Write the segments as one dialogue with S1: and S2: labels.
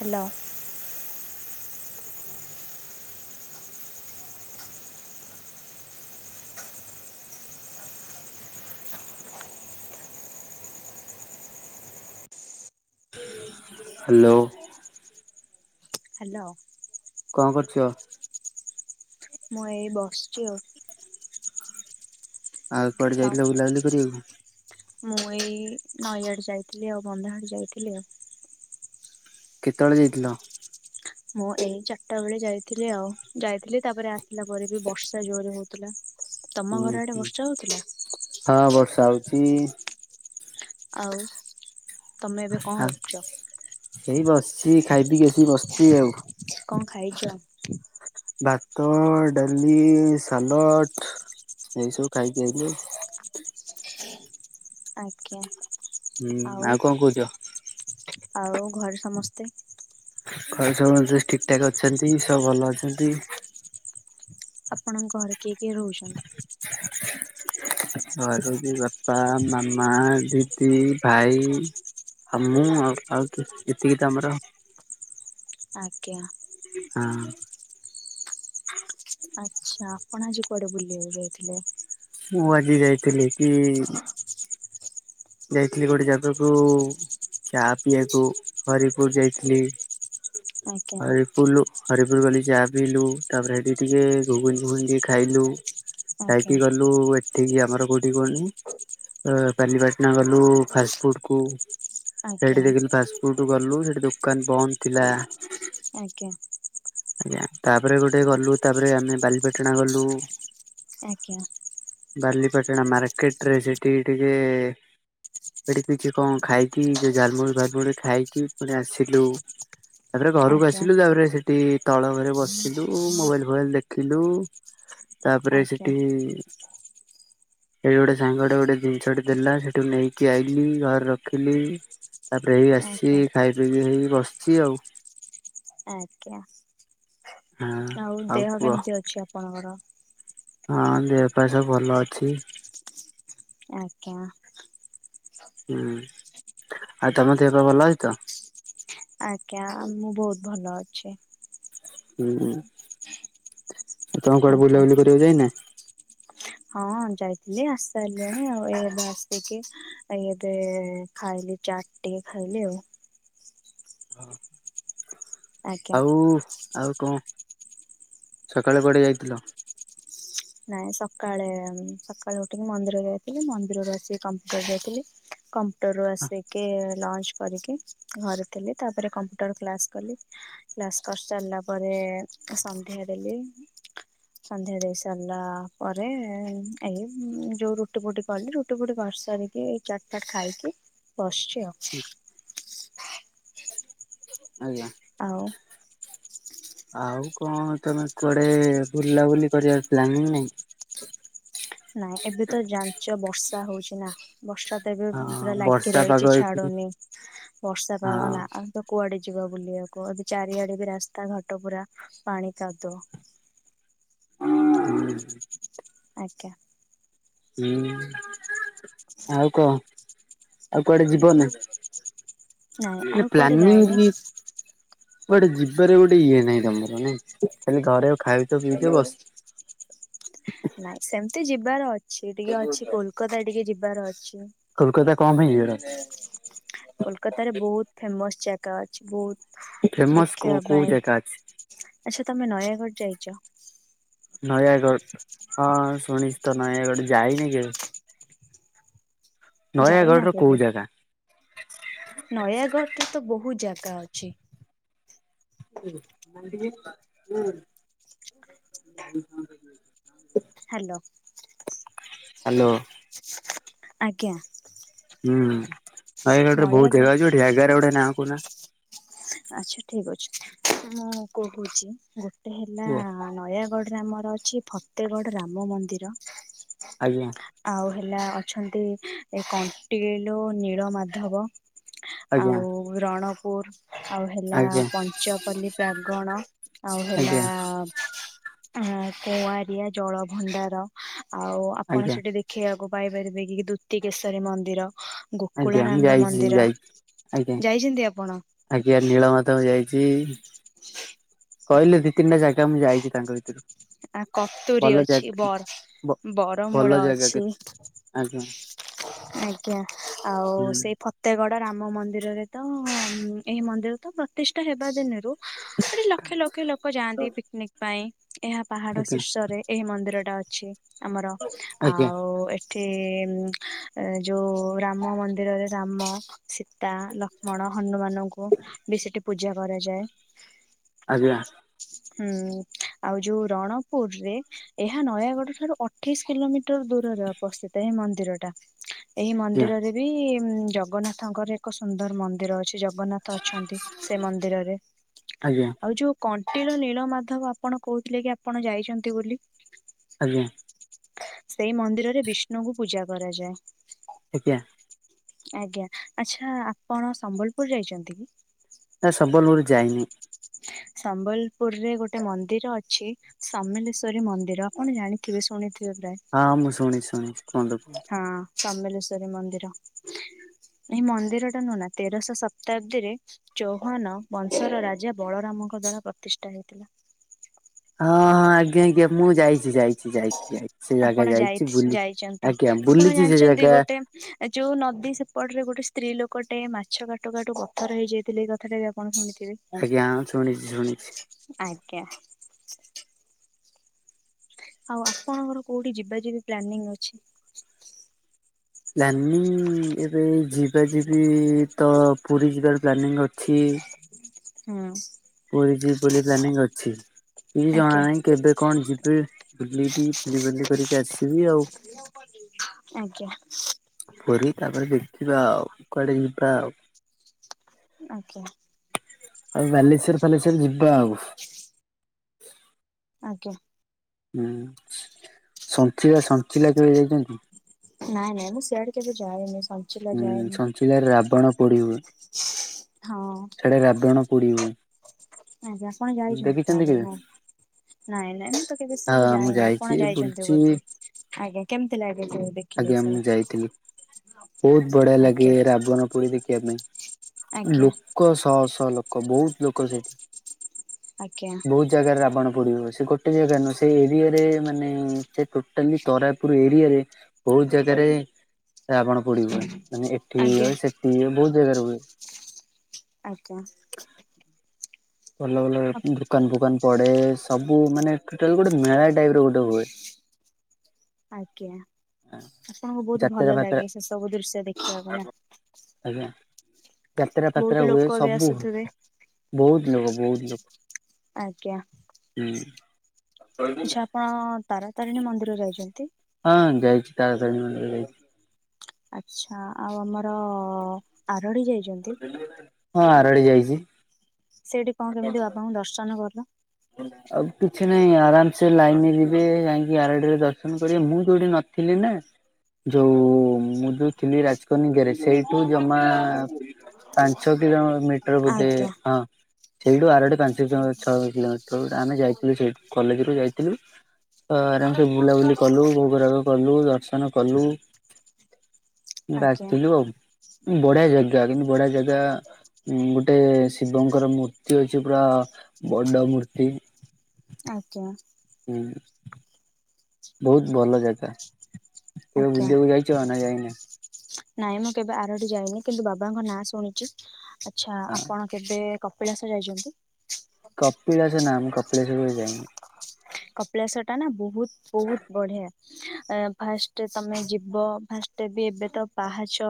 S1: Hello.
S2: Hello.
S1: Hello.
S2: କଣ କରୁଚ?
S1: ମୁଁ ଏଇ ବସିଚି ଆଉ।
S2: ଆଉ କୁଆଡେ
S1: ତ
S2: ଯାଇଥିଲ ବୁଲାବୁଲି କରିବାକୁ?
S1: ମୁଁ ଏଇ ନଈ ଆଡେ ଯାଇଥିଲି ଆଉ। ବନ୍ଧ ଆଡେ ଯାଇଥିଲି ଆଉ।
S2: କେତେବେଳେ ଯାଇଥିଲ?
S1: ମୁଁ ଏଇ ଚାଟା ବେଳେ ଯାଇଥିଲି ଆଉ। ଯାଇଥିଲି ତାପରେ ଆସିଲା ପରେ ବି ବର୍ଷା ଜୋରେ ହଉଥୁଲା।
S2: ହୁଁ, ହୁଁ, ହଁ ବର୍ଷା ହଉଚି।
S1: ଆଉ ତୋମେ ଏବେ କଣ
S2: ଆଉ
S1: କରୁଚ?
S2: ଏଇ ବସିଛି, ଖାଇ ପିଇକିି ଆସିକି ବସିଛି ଆଉ।
S1: କଣ ଖାଇଚ?
S2: ଭାତ, ଡାଲି, ସାଲଟ। ଏଇ ସବୁ ଖାଇକି ଆଇଲି।
S1: ଆଜ୍ଞା।
S2: ହୁଁ, ଆଉ କଣ କହୁଚ?
S1: ଆଉ ଘରେ ସମସ୍ତେ
S2: ଘରେ ସମସ୍ତେ ଠିକ ଠାକ୍ ଅଛନ୍ତି। ସବୁ ଭଲ ଅଛନ୍ତି।
S1: ଆପଣଙ୍କ ଘରେ କିଏ କିଏ ରହୁଛନ୍ତି?
S2: [inaudible] ଘରେ ରହୁଚି ବାପା, ମାମା, ଦିଦି, ଭାଇ। ଆଉ ମୁଁ ଆଉ ଆଉ କିଏ ଏତିକି ତ ଆମର।
S1: ଆଜ୍ଞା।
S2: ହଁ।
S1: ଆଚ୍ଛା, ଆପଣ ଆଜି କୁଆଡେ ବୁଲିବାକୁ ଯାଇଥିଲେ?
S2: ମୁଁ ଆଜି ଯାଇଥିଲି କି ଯାଇଥିଲି ଗୋଟେ ଜାଗାକୁ ଚା ପିଇବାକୁ, ହରିପୁର ଯାଇଥିଲି।
S1: ଆଜ୍ଞା
S2: ଆରି ପୁଲୁ। ହରିପୁର ଗଲି ଚାହା ପିଇଲୁ, ତାପରେ ସେଠି ଟିକେ ଘୁଘୁନି ଘୁଘୁନି ଟିକେ ଖାଇଲୁ।
S1: ଆଜ୍ଞା
S2: ଯାଇକି ଗଲୁ, ଏଠିକି, ଆମର କୋଉଠି କଅନି କଲି ନା ଗଲୁ ଫାଷ୍ଟଫୁଡ଼କୁ,
S1: ଆଜ୍ଞା
S2: ସେଇଠି ଦେଖିଲୁ ଫାଷ୍ଟଫୁଡ଼ ସେଇଠୁ ଗଲୁ ସେଇଠି ଦୋକାନ ବନ୍ଦ ଥିଲା।
S1: ଆଜ୍ଞା।
S2: ଆଜ୍ଞା, ତାପରେ ଗୋଟେ ଗଲୁ, ତାପରେ ଆମେ ବାଲିପେଟଣା ଗଲୁ।
S1: ଆଜ୍ଞା
S2: ବାଲି ପାଟଣା ମାର୍କେଟରେ ସେଠି ଟିକେ
S1: [inaudible]
S2: ସେଠି କିଛି କଣ ଖାଇକି, ଯୋଉ ଜ ଝାଲମୁଢି ଫାଲମୁଢ଼ି ଖାଇକି ପୁଣି ଆସିଲୁ। ତାପରେ ଘରକୁ ଆସିଲୁ, ତାପରେ ସେଠି ତଳ ଘରେ ବସିଲୁ, ମୋବାଇଲ ଫୋବାଇଲ ଦେଖିଲୁ। ତାପରେ
S1: ଆଜ୍ଞା
S2: ସେଠି, ଏଇ ଗୋଟେ ସାଙ୍ଗଟେ ଗୋଟେ ଜିନିଷଟେ ଦେଲା, ସେଠ ସେଠୁ ନେଇକି ଆଇଲିି ଘରେ ରଖିଲି। ତାପରେ, ହେଇ
S1: ଆଜ୍ଞା
S2: ଆସିଛି,
S1: ଆଜ୍ଞା
S2: ଖାଇ ପିଇକି ହେଇ ବସଛି ଆଉ
S1: ଆଜ୍ଞା।
S2: ହଁ
S1: ଆଉ ଦେହ କେମିତି ଅଛି ଆପଣଙ୍କର?
S2: ହଁ ଦେହ ପା ସବୁ ଭଲ ଅଛି।
S1: ଆଜ୍ଞା।
S2: ହୁଁ ଆଉ ତମ ଦେହ ପା ଭଲ ଅଛି ତ?
S1: ଆଜ୍ଞା, ମୁଁ ବହୁତ ଭଲ ଅଛି।
S2: ହୁଁ ତମେ କୁଆଡେ
S1: ଆଜ୍ଞା
S2: ବୁଲାବୁଲି କରିବାକୁ ଯାଇନା?
S1: ହଁ ଯାଇଥିଲି ଆସି ସାରିଲିଣି, ଆଉ ଏ ଏବେ ଆସିକି, ଏ ଏବେ ଖାଇ ଚାଟ ଟିକେ ଖାଇଲି ଆଉ
S2: ହଁ।
S1: ଆଜ୍ଞା
S2: ଆଉ ଆଉ କଣ? ସକାଳେ କୁଆଡେ ଯାଇଥିଲ?
S1: ନାଇଁ ସକାଳେ, ସକାଳେ ଉଠିକି ମନ୍ଦିର ଯାଇଥିଲି, ମନ୍ଦିରରୁ ଆସିକି କମ୍ପ୍ୟୁଟର ଯାଇଥିଲି। କମ୍ପ୍ୟୁଟର ରୁ ଆସିକି ଲଞ୍ଚ କରିକି ଘରେ ଥିଲି, ତାପରେ କମ୍ପ୍ୟୁଟର କ୍ଲାସ କଲି, କ୍ଲାସ କରି ସାରିଲା ପରେ ସନ୍ଧ୍ୟା ଦେଲି, ସନ୍ଧ୍ୟା ଦେଇ ସାରିଲା ପରେ, ଏଇ ଯେଉଁ ରୁଟି ଫୁଟି କଲି, ରୁଟି ଫୁଟି କରିସାରିକି, ଏଇ ଚାରି ଖାଇକି ବସିଛି ଆଉ
S2: [unintelligible]
S1: ଆଉ
S2: ଆଉ କଣ ତମେ କୁଆଡେ ବୁଲାବୁଲି କରିବା ପ୍ଲାନିଂ ନାଇଁ
S1: ନାଇଁ, ଏବେ ତ ଯାଞ୍ଚ ବର୍ଷା ହଉଛି ନା? ବର୍ଷା ତ ଏବେ
S2: ହଁ
S1: ପୁରା ଲାଗି
S2: ବର୍ଷା ପାଗ
S1: ରହିଛି
S2: ହେଇଛି
S1: ଛାଡୁନି, ବର୍ଷା
S2: ହଁ
S1: ପାଗ ନା ଆଉ ତ କୁଆଡେ? ଯିବା ବୁଲିବାକୁ ଏ ଚାରିଆଡେ ବି ରାସ୍ତା ଘାଟ ପୁରା ପାଣି କାଦୁଅ।
S2: ଓ [unintelligible]
S1: ଆଜ୍ଞା।
S2: ହୁଁ, ଆଉ କହ ଆଉ କୁଆଡେ ଯିବନା?
S1: ନାଇଁ ଆଉ କୁଆଡେ ଯାଏନି।
S2: ଗୋଟେ ଯିବାରେ ଗୋଟେ ଇଏ ନାହିଁ ତମର ନାଇଁ, ଖାଲି ଘରେଉ ଖାଉଛ ପିଇଛ ବସିଛି।
S1: ନାଇଁ, ସେମିତି ଯିବାର ଅଛି, ଟିକେ ଅଛି କୋଲକାତା ଟିକେ ଯିବାର ଅଛି।
S2: କୋଲକାତା କଣ ପାଇଁ ଯିବାର ଅଛି?
S1: କୋଲକାତାରେ ବହୁତ ଫେମସ ଜାଗା ଅଛି, ବହୁତ
S2: ଅଛି ଫେମସ କୋଉ
S1: ଦେଖିବା
S2: କୋଉ ଜାଗା ଅଛି
S1: ପାଇଁ, ଆଛା ତମେ ନୟାଗଡ ଯାଇଛ?
S2: ନୟାଗଡ଼ ହଁ ଶୁଣିଛି ତ, ନୟାଗଡ, ଯାଇନି କେବେ। ନୟାଗଡ
S1: ଯାଇନା
S2: ର କୋଉ
S1: କେବେ?
S2: ଜାଗା
S1: ନୟାଗଡ଼ ଟାତ ବହୁତ ଯା ଗା ଅଛି।
S2: [unintelligible]
S1: ହ୍ୟାଲୋ।
S2: ହ୍ୟାଲୋ।
S1: ଆଜ୍ଞା।
S2: ହୁଁ ନୟାଗଡ଼ ରେ ବହୁତ ଜାଗା ଅଛି
S1: ନୟାଗଡ଼
S2: ଗୋଟେ ଜାଗାରେ ଗୋଟେ ନାଁ କହୁନା।
S1: ଆଚ୍ଛା ଠିକ ଅଛି, ମୁଁ କହୁଛି ଗୋଟେ ହେଲା
S2: କୁହ
S1: ନୟାଗଡ ରେ ଆମର ଅଛି ଫତେଗଡ଼ ରାମ ମନ୍ଦିର।
S2: ଆଜ୍ଞା।
S1: ପିଲା ଅଛନ୍ତି ଏ କଣ୍ଟିଲୋ ନୀଳ ମାଧବ।
S2: ଆଜ୍ଞା
S1: ଆଉ ରଣପୁର। ଆଉ ହେଲା
S2: ଆଜ୍ଞା
S1: ପଞ୍ଚପଲ୍ଲୀ ପ୍ରାାଗଣ, ଆଉ ହେଲା
S2: ଆଜ୍ଞା
S1: ଅ କୁଆରିଆ ଜଳ ଭଣ୍ଡାର, ଆଉ ଆପଣ
S2: ଆଜ୍ଞା
S1: ସେଠି ଦେଖିଇବାକୁ ପାଇପାରିବେ କି ଦୁତିକେଶରୀ ମନ୍ଦିର।
S2: ଆଜ୍ଞା ମୁଁ
S1: ଗୋକୁଳାନନ୍ଦ
S2: ଯାଇଛି
S1: ମନ୍ଦିର,
S2: ଯାଇଛି ଆଜ୍ଞା
S1: ଯାଇଛନ୍ତି ଆପଣ?
S2: ଆଜ୍ଞା ନୀଳ ମାଧବ୍ ଯାଇଛି।
S1: ହ
S2: କହିଲେ ଦି ତିନିଟା ଜାଗା ମୁଁ ଯାଇଛି ତାଙ୍କ ଭିତରୁ।
S1: ଆ କତୁରୀ
S2: ଭଲ
S1: ଅଛି
S2: ଜାଗା ବ
S1: ବର-ବରମୂଳ
S2: ଭଲ ଜାଗା କେ
S1: ଅଛି।
S2: ଆଜ୍ଞା
S1: ଆଜ୍ଞା ଆଉ
S2: ହୁଁ
S1: ସେଇ ଫତେ ବଡ଼ ରାମ ମନ୍ଦିରରେ ତ ଏହି ମନ୍ଦିର ତ ପ୍ରତିଷ୍ଠା ହେବା ଦିନରୁ ଠି ଲକ୍ଷେ ଲକ୍ଷେ ଲୋକ ଯାଆନ୍ତି ପିକନିକ ପାଇଁ ଏହା ପାହାଡ
S2: ଆଜ୍ଞା
S1: ଶୀର୍ଷରେ ଏହି ମନ୍ଦିର ଅଛି ଆମର
S2: ଆଜ୍ଞା
S1: ଆଉ ଏ ଏଠି ଯୋଉ ରାମ ମନ୍ଦିରରେ ରାମ, ସୀତା, ଲକ୍ଷ୍ମଣ ହନୁମାନଙ୍କୁ ବି ସେଠି ପୂଜା କରାଯାଏ।
S2: ଆଜ୍ଞା
S1: ହୁଁ। ଆଉ ଯୋଉ ରଣପୁର ରେ ଏହା ନୟାଗଡ ଠାରୁ ଅଠେଇଶି କିଲୋମିଟର ଦୂରରେ ଅବସ୍ଥିତ, ହେ ମନ୍ଦିର ଟା ଏହି
S2: ଆଜ୍ଞା
S1: ମନ୍ଦିରରେ ବି ଜଗନ୍ନାଥଙ୍କର ଏକ ସୁନ୍ଦର ମନ୍ଦିର ଅଛି, ଜ ଜଗନ୍ନାଥ ଅଛନ୍ତି ସେ ମନ୍ଦିରରେ,
S2: ଆଜ୍ଞା
S1: ଆଉ ଯୋଉ କଣ୍ଟିଲୋ ନୀଳ ମାଧବ ଆ ଆପଣ କହୁଥିଲେ କି ଆପଣ ଯାଇଛନ୍ତି ବୋଲି।
S2: ଆଜ୍ଞା।
S1: ସେଇ ମନ୍ଦିରରେ ବିଷ୍ଣୁଙ୍କୁ ପୂଜା କରାଯାଏ।
S2: ଆଜ୍ଞା।
S1: ଆଜ୍ଞା, ଆଚ୍ଛା ଆପଣ ସମ୍ବଲପୁର ଯାଇଛନ୍ତି କି?
S2: ନା ସମ୍ବଲପୁର ଯାଇନି
S1: ସମ୍ବଲପୁରରେ ଗୋଟେ ମନ୍ଦିର ଅଛି ସମଲେଶ୍ଵରୀ ମନ୍ଦିର ଆପଣ ଜାଣିଥିବେ ଶୁଣିଥିବେ ପ୍ରାୟ
S2: ହଁ ମୁଁ ଶୁଣିଛି ଶୁଣିଛି କୁହନ୍ତୁ। କୁହନ୍ତୁ।
S1: ହଁ ସମଲେଶ୍ଵରୀ ମନ୍ଦିର। ଏଇ ମନ୍ଦିର ଟା ନୁହଁ ନା ତେରଶ ଶତାବ୍ଦୀରେ ଚୌହାନ ବଂଶର ରାଜା ବଳରାମ ମଙ୍କ ଦ୍ଵାରା ପ୍ରତିଷ୍ଠା ହେଇଥିଲା।
S2: ହଁ ହଁ ଆଜ୍ଞା ଆଜ୍ଞା ମୁଁ ଯାଇଛି ଯାଇଛି ଯାଇଛି ଯାଇ ସେ ଜାଗା
S1: ଆପଣ
S2: ଯାଇଛି ବୁଲି, ଆଜ୍ଞ ବୁଲିଛି ସେ
S1: ଚନ୍ତି
S2: ଜାଗା
S1: ଗୋଟେ ଯୋଉ ନଦୀ ସେପଟରେ ଗୋଟେ ସ୍ତ୍ରୀ ଲୋକ ଟେ ମାଛ କାଟୁ କାଟୁ ପଥର ହେଇଯାଇଥିଲେ ଏଇ କଥାଟା ବି ଆପଣ ଶୁଣି
S2: ଆଜ୍ଞା ଶୁଣିଛି ଶୁଣିଛି।
S1: ହ ଆଉ ଆପଣଙ୍କର କୋଉଠି ଯିବା ଯିବି ପ୍ଲାନିଂ ଅଛି?
S2: ପ୍ଲାନିଂ ଏବେ ଯିବା ଯିବି ତ ପୁରୀ ଯିବା ପ୍ଲାନିଙ୍ଗ ଅଛି।
S1: ହୁଁ।
S2: ପୁରୀ ଯିବି ବୋଲି ପ୍ଲାନିଂ ଅଛି, କିଛି ଜଣା
S1: ଆଜ୍ଞା
S2: ନାହିଁ କେବେ କଣ ଯିବି। ବୁଲିବି ବୁଲି ବୁଲି କରିକି ଆସ
S1: ହ ପ [inaudible]
S2: କହିଲି ତାପରେ ଦେଖିବା ଆଉ କୁଆଡେ ଯିବା ଆଉ।
S1: ଆଜ୍ଞା।
S2: ଆଉ ବାଲେଶ୍ଵର ଫାଲେଶ୍ଵର ଯିବା ଆଉ।
S1: ଆଜ୍ଞା।
S2: ହୁଁ ସଞ୍ଚିଲା ସଞ୍ଚିଲା କେବେ ଯାଇଛନ୍ତି।
S1: ନାଇଁ ନାଇଁ ମୁଁ ଶିଆଡେ କେବେ ଯାଏନି। ସଞ୍ଚିଲା
S2: ହୁଁ
S1: ଯାଏନି।
S2: ସଞ୍ଚିଲାରେ ରାବଣ ପୋଡି ହୁଏ।
S1: ହଁ
S2: ସିଆଡେ ରାବଣ ପୋଡ଼ି ହୁଏ।
S1: ଆପଣ ଯାଇଛନ୍ତି
S2: ଦେଖିଛନ୍ତି
S1: ତାହେଲେ
S2: କେବେ?
S1: ନାଇଁ। ନାଇଁ ନାଇଁ ମୁଁ ତ କେବେ
S2: ହଁ
S1: ସିଆଡେ
S2: ମୁଁ
S1: ଯାଇନି
S2: ଯାଇଛି
S1: ଆପଣ ଯାଇଛନ୍ତି
S2: ବୁଲିଛି
S1: ବୋଧେ? ଆଜ୍ଞା କେମତି ଲାଗେ ସେ ଦେଖିଲେ
S2: ଆଜ୍ଞା
S1: ସେ।
S2: ମୁଁ ଯାଇଥିଲି। ବହୁତ ବଢିଆ ଲାଗେ
S1: ଆଜ୍ଞା
S2: ରାବଣ ପୋଡି ଦେଖିବା ପାଇଁ।
S1: ଆଜ୍ଞା
S2: ଲୋକ ଶହ ଶହ ଲୋକ ବହୁତ ଲୋକ ସେଠି।
S1: ଆଜ୍ଞା
S2: ବହୁତ ଜାଗାରେ ରାବଣ। ପୋଡ଼ି ହୁଏ ସେ ଗୋଟେ ଜାଗା ନୁହେଁ ସେ ଏରିଆରେ ମାନେ ସେ ଟୋଟାଲି ତରାପୁର ଏରିଆରେ ବହୁତ ଜାଗାରେ ରାବଣ ପୋଡ଼ି ହୁଏ। ମାନେ ଏଠି ବି
S1: ଆଜ୍ଞା
S2: ହୁଏ ସେଠି ବି ହୁଏ ବହୁତ ଜାଗାରେ ହୁଏ।
S1: ଆଜ୍ଞା।
S2: ଭଲ ଭଲ
S1: ଆଜ୍ଞା
S2: ଦୁକାନ ଫୁକାନ ପଡେ। ସବୁ ମାନେ ଟୋଟାଲ ଗୋଟେ ମେଳା ଟାଇପ ର ଗୋଟେ ହୁଏ।
S1: ଆଜ୍ଞା। ଆପଣଙ୍କୁ ବହୁତ
S2: ଯାତ୍ରା
S1: ଭଲ
S2: ଫାତ୍ରା
S1: ଲାଗେ ସେ ସବୁ ଦୃଶ୍ୟ ଦେଖିବାକୁ ନା?
S2: ଆଜ୍ଞା ଯାତ୍ରା
S1: ବହୁତ
S2: ପାତ୍ରା ହୁଏ
S1: ଲୋକ ବି
S2: ସବୁ
S1: ଆସୁଥିବେ।
S2: ହୁଏ ବହୁତ ଲୋକ ବହୁତ ଲୋକ।
S1: ଆଜ୍ଞା।
S2: ହୁଁ।
S1: ଆଛା ଆପଣ ତାରାତାରିଣୀ ମନ୍ଦିର ଯାଇଛନ୍ତି?
S2: ହଁ ଯାଇଛି ତାରାତାରିଣୀ ମନ୍ଦିର ଯାଇଚି।
S1: ଆଛା ଆଉ ଆମର ଆରଡି ଯାଇଚନ୍ତି?
S2: ହଁ ଆରଡି ଯାଇଚି।
S1: ସେଇଠି କଣ କେମିତି ବାବାଙ୍କୁ ଦର୍ଶନ କଲ।
S2: ଆଉ କିଛି ନାହିଁ ଆରାମ ସେ ଲାଇନରେ ଯିବେ ଜାଇଁକି ଆରଡିରେ ଦର୍ଶନ କରିବେ ମୁଁ ଯୋଉଠି ନ ଥିଲେ ନା। ଯୋଉ ମୁଁ ଯୋଉ ଥିଲି ରାଜକନିକାରେ ସେଇଠୁ ଜମା ଆ ପାଞ୍ଚ କିଲୋ ମିଟର ବୋଧେ
S1: ଆଜ୍ଞା
S2: ହଁ ସେଇଠୁ ଆରଡି ପାଞ୍ଚ ଛଅ କିଲୋମିଟର। ଆମେ ଯାଇଥିଲୁ ସେଇଠୁ କଲେଜରୁୁ ଯାଇଥିଲୁ। ତ ଆରାମସେ ବୁଲାବୁଲି କଲୁ ଭୋଗରାଗ କଲୁ ଦର୍ଶନ କଲୁ। ରାଗ
S1: ଆଜ୍ଞା
S2: ଥିଲଥିଲୁ ଆଉ। ବଢିଆ ଜାଗା କିନ୍ତୁ ବଢିଆ ଜାଗା ଗୋଟେ ଶିବଙ୍କର ମୂର୍ତ୍ତି ଅଛି ପୁରା ବଡ ମୂର୍ତ୍ତି।
S1: ଆଜ୍ଞା।
S2: ହୁଁ। ବହୁତ ଭଲ ଜାଗା କେବେ
S1: ଆଜ୍ଞା।
S2: ବୁଲିବାକୁ ଯାଇଛ ନା ଯାଇନ?
S1: ନାଇଁ ମୁଁ କେବେ ଆରଡି ଯାଇନି କିନ୍ତୁ ବାବାଙ୍କ ନାଁ ଶୁଣିଛି ଆଛା
S2: ହଁ
S1: ଆପଣ କେବେ କପିଳାସ ଯାଇଛନ୍ତି?
S2: କପିଳାସ ନାଁ ମୁଁ କପିଳାସ କେବେ ଯାଇନି।
S1: କପିଳାଶ ଟା ନା ବହୁତ ବହୁତ ବଢିଆ ଫାଷ୍ଟ ତମେ ଯିବ ଫାଷ୍ଟ ଟେ ବି ଏବେ ତ ପାହାଚ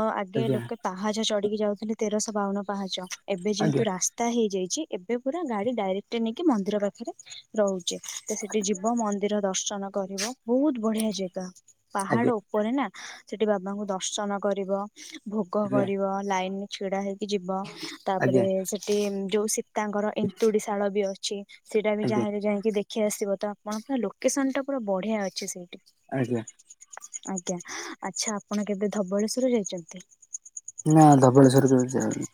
S1: ଅ ଆଗେ
S2: ଆଜ୍ଞା
S1: ଲୋକେ ପାହାଚ ଚଢିକି ଯାଉଥିଲେ ତେରଶହ ବାଉନ ପାହାଚ ଏବେ
S2: ଆଜ୍ଞା
S1: ଯେହେତୁ ରାସ୍ତା ହେଇଯାଇ ଚି ଏବେ ପୁରା ଗାଡି ଡାଇରେକ୍ଟ ନେଇକି ମନ୍ଦିର ପାଖରେ ରହୁ ତ ସେଠି ଯିବ ମନ୍ଦିର ଦର୍ଶନ କରିବ ବହୁତ ବଢିଆ ଜାଗା।
S2: ଆଜ୍ଞା
S1: ପାହାଡ ଉପରେ ନା ସେଠି ବାବାଙ୍କୁ ଦର୍ଶନ କରିବ। ଭୋଗ
S2: ଆଜ୍ଞା
S1: କରିବ ଲାଇନରେ ଛିଡା ହେଇକି ଯିବ
S2: ଆଜ୍ଞା
S1: ତାପରେ ସେଠି ଯୋଉ ସି ତାଙ୍କର ଏନ୍ତୁଡିଶାଳ ବି ଅଛି ସେଇଟା ବି
S2: ଆଜ୍ଞା
S1: ଯାହେଲେ ଯାଇଁ ଦେଖିଆସିବ ତ ଆପଣଙ୍କ ଲୋକେସନଟା ପୁରା ବଢିଆ ଅଛି ସେଇଠି।
S2: ଆଜ୍ଞା।
S1: ଆଜ୍ଞା ଆଚ୍ଛା ଆପଣ କେବେ ଧବଳେଶ୍ୱର ଯାଇଛନ୍ତି?
S2: ନା ଧବଳେଶ୍ଵର କେବେ ଯାଇନି।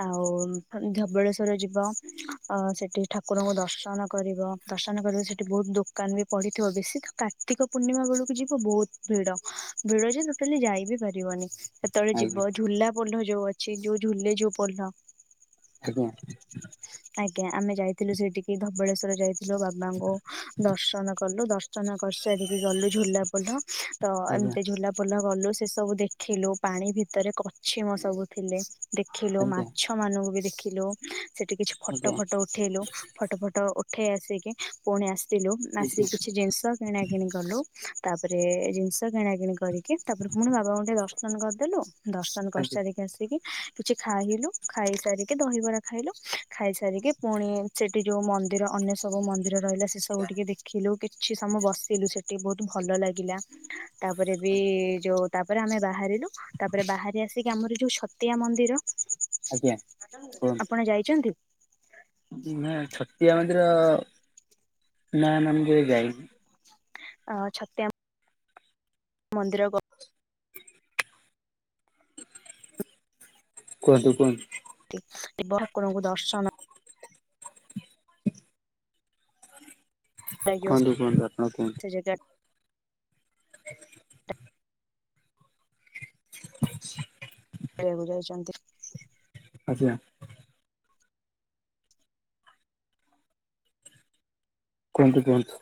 S1: ଆଉ ଥରେ ଧବଳେଶ୍ଵର ଯିବ ଅ ସେଠି ଠାକୁରଙ୍କୁ ଦର୍ଶନ କରିବ ଦର୍ଶନ କରିବ ସେଠି ବହୁତ ଦୋକାନ ବି ପଡିିଥିବ ବେଶୀ ତ କାର୍ତ୍ତିକ ପୂର୍ଣ୍ଣିମା ବେଳକୁ ଯିବ ବହୁତ ଭିଡ ଭିଡ ଯେ ଟୋଟାଲି ଯାଇ ବିି ପାରିବନି। ସେତେବେଳେ
S2: ଆଜ୍ଞା
S1: ଯିବ ଝୁଲା ପୋଲ ଯୋଉ ଅଛି ଯୋଉ ଝୁଲେ ଯୋଉ ପୋଲ
S2: [unintelligible]
S1: [inaudible] ଆଜ୍ଞା ଆମେ ଯାଇଥିଲୁ ସେଇଠିକି ଧବଳେଶ୍ୱର ଯାଇଥିଲୁ ବାବାଙ୍କୁ ଦର୍ଶନ କଲୁ ଦ ର୍ଶନ କରିସାରିକି ଗଲୁ ଝୁଲା ପୋଲ ତ
S2: ଆଜ୍ଞା
S1: ଏମିତି ଝୁଲାପୋଲ ଗଲୁ ସେ ସବୁ ଦେଖିଲୁ ପାଣି ଭିତରେ କଛିମ ସବୁ ଥିଲେ। ଦେଖିଲୁ
S2: ଆଜ୍ଞା
S1: ମାଛମାନଙ୍କୁ ବି ଦେଖିଲୁ ସେଠି କିଛି ଫଟୋ
S2: ଆଜ୍ଞା
S1: ଫୋଟ ଉଠେଇଲୁ ଫଟୋ ଫୋଟ ଉ ଉଠେଇ ଆସିକି ପୁଣି ଆସିଲୁ ଆସିକି
S2: ଆଜ୍ଞା
S1: କିଛି ଜିନିଷ କିଣା କିଣି କଲୁ। ତାପରେ ଜିନିଷ କିଣା କିିଣି କରି କି ତାପରେ ପୁଣି ବାବାଙ୍କୁ ଟିକେ ଦର୍ଶନ କରିଦେଲୁ ଦର୍ଶନ
S2: ଆଜ୍ଞା
S1: କରିସାରିକି ଆସିକି କିଛି ଖାଇଲୁ ଖାଇସାରିକି ଦହିବରା ଖାଇଲୁ। ଖାଇ ସାରିକି ପୁଣି ସେଠି ଯୋଉ ମନ୍ଦିର ଅନ୍ୟ ସବୁ ମନ୍ଦିର ରହିଲା ସେ ସବୁ ଟିକେ ଦେଖିଲୁ। କିଛି ସମୟ ବସିଲୁ ସେଠି ବହୁତ ଭଲ ଲାଗିଲା ତାପରେ ବି ଯୋଉ ତାପରେ ଆମେ ବାହାରିଲୁ ତାପରେ ବାହାରି ଆସିକି ଆମର ଯୋଉ ଛତିଆ ମନ୍ଦିର
S2: ଆଜ୍ଞା କୁହନ୍ତୁ
S1: ଆପଣ ଯାଇଛନ୍ତି?
S2: ନା ଛତିଆ ମନ୍ଦିର ନା ନା ମୁଁ କେବେ ଯାଇନି।
S1: ଅ ଛତିଆ ମନ୍ଦିର ଗ
S2: କୁହନ୍ତୁ କୁହନ୍ତୁ।
S1: [unintelligible] ଶିବ ଠାକୁରଙ୍କୁ ଦର୍ଶନ ଲାଗିବ
S2: କୁହନ୍ତୁ କୁହନ୍ତୁ ଆପଣ କୁହନ୍ତୁ
S1: ସେ ଜାଗା
S2: [inaudible]
S1: ଖାଇବାକୁ ଯାଇଛନ୍ତି।
S2: ଆଜ୍ଞା। କୁହନ୍ତୁ କୁହନ୍ତୁ।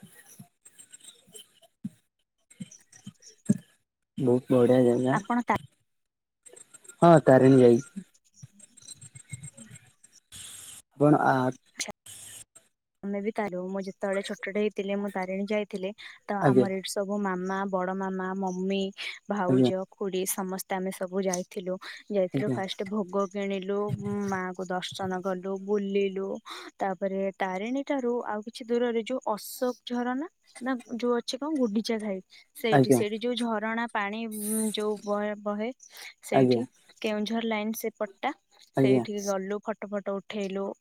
S1: [inaudible]
S2: ବହୁତ ବଢିଆ ଜାଗା
S1: ଆପଣ
S2: ହଁ ତାରିଣୀ ଯାଇଛି।
S1: ହୁଁ
S2: ଆପଣ ଆ
S1: ଆମେ ବି [unintelligible] ମୁଁ ଯେତେବେଳେ ଛୋଟଟେ ହେଇଥିଲି ମୁଁ ତାରିଣୀ ଯାଇଥିଲି ତ
S2: ଆଜ୍ଞା
S1: ଆମର ଏଠି ସବୁ ମା ମା ବଡମାମା ମମି
S2: ଆଜ୍ଞା
S1: ଭାଉଜ ଖୁଡି ସମସ୍ତେ ଆମେ ସବୁ ଯାଇଥିଲୁ। ଯାଇଥିଲୁ
S2: ଆଜ୍ଞା
S1: ଫାଷ୍ଟ ଭୋଗ କିଣିଲୁ ମା କୁ ଦର୍ଶନ କଲୁ ବୁଲିଲୁ ତାପରେ ତିରିଣୀଟା ଠାରୁ ଆଉ କିଛି ଦୂରରେ ଯୋଉ ଅଶୋକ ଝରଣା ନା ଯୋଉ ଅଛି କଣ ଗୁଣ୍ଡିଚାଘାଇ ସେଇଠି
S2: ଆଜ୍ଞା
S1: ସେଇଠି ଯୋଉ ଝରଣା ପାଣି ଉଁ ଯୋଉ ବହେ ବହେ
S2: ଆଜ୍ଞା
S1: ସେଇଠି କେଉଁଝର ଲାଇନ ସେଇପ ଟା
S2: ଆଜ୍ଞା
S1: ସେଇଠିକି ଗଲୁ ଫଟୋ ଫଟ ଉଠେଇଲୁ